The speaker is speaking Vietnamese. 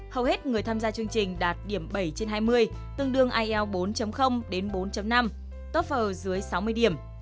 hầu hết người tham gia chương trình đạt điểm bảy trên hai mươi tương đương ielts bốn đến bốn năm tốt phở dưới sáu mươi điểm